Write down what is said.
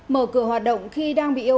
mở cửa hoạt động khi đang bắt đầu